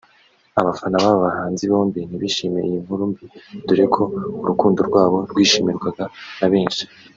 abafana b’aba bahanzi bombi ntibishimiye iyi nkuru mbi dore ko urukundo rwabo rwishimirwaga na benshi